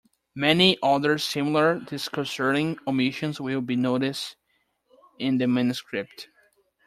Many other similar disconcerting omissions will be noticed in the Manuscript.